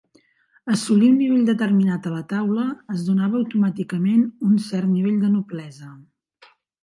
Assolir un nivell determinat a la taula es donava automàticament un cert nivell de noblesa.